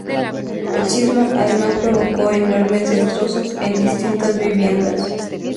El sismo además provocó enormes destrozos en distintas viviendas.